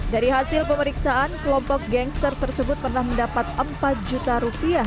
dari hasil pemeriksaan kelompok gangster tersebut pernah mendapat empat juta rupiah